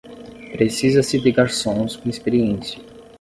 Precisa-se de garçons com experiência.